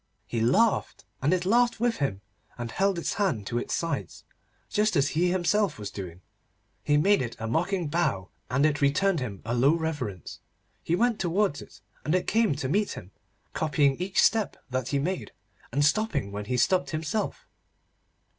He laughed, and it laughed with him, and held its hands to its sides, just as he himself was doing. He made it a mocking bow, and it returned him a low reverence. He went towards it, and it came to meet him, copying each step that he made, and stopping when he stopped himself.